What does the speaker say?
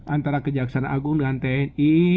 antara kejaksara agung dan tni